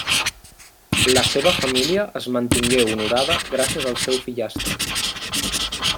La seva família es mantingué honorada gràcies al seu fillastre.